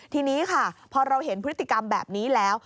ทีนี้ค่ะพอเราเห็นพฤติกรรมแบบนี้แล้ว